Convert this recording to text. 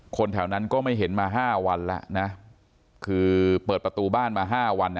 แถวนั้นก็ไม่เห็นมา๕วันแล้วนะคือเปิดประตูบ้านมา๕วัน